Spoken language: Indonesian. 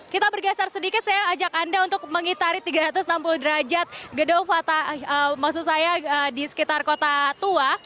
kita bergeser sedikit saya ajak anda untuk mengitari tiga ratus enam puluh derajat gedung fata maksud saya di sekitar kota tua